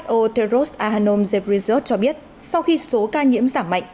who teros ahanom zebrisot cho biết sau khi số ca nhiễm giảm mạnh